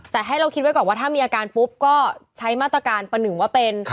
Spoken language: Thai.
แต่ให้เราคิดไว้ก่อนว่าถ้ามีอาการปุ๊บก็ใช้มาตรการประหนึ่งว่าเป็น